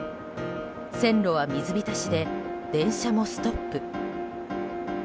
線路は水浸しで電車もストップ。